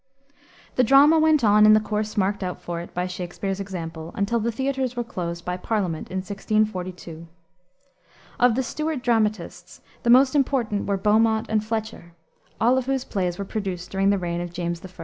The drama went on in the course marked out for it by Shakspere's example, until the theaters were closed, by Parliament, in 1642. Of the Stuart dramatists, the most important were Beaumont and Fletcher, all of whose plays were produced during the reign of James I.